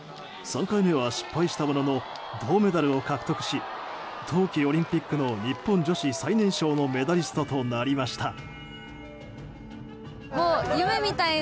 ３回目は失敗したものの銅メダルを獲得し冬季オリンピックの日本女子最年少のメダリストとなりました。